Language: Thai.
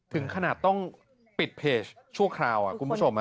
ถึงขนาดต้องปิดเพจชั่วคราวคุณผู้ชม